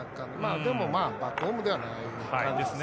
でもバックホームではない感じですね。